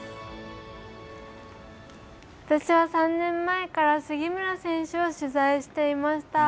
私は３年前から杉村選手を取材していました。